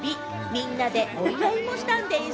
みんなでお祝いもしたんでぃす。